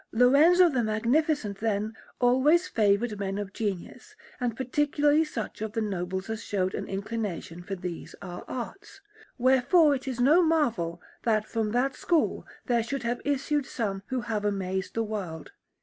Lorenzo the Magnificent, then, always favoured men of genius, and particularly such of the nobles as showed an inclination for these our arts; wherefore it is no marvel that from that school there should have issued some who have amazed the world.